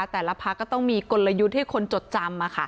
แต่ละพักก็ต้องมีกลยุทธ์ให้คนจดจำ